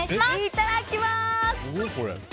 いただきまーす！